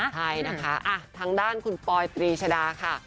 ใช่นะคะทางด้านคุณปอยปรีชดาค่ะ